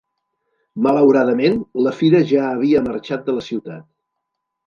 Malauradament, la fira ja havia marxat de la ciutat.